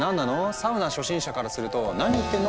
サウナ初心者からすると「何言ってんの？」